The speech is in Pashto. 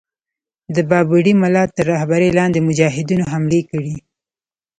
د بابړي مُلا تر رهبری لاندي مجاهدینو حملې کړې.